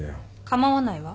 構わないわ。